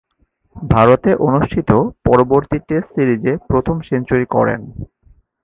ভারতে অনুষ্ঠিত পরবর্তী টেস্ট সিরিজে প্রথম সেঞ্চুরি করেন।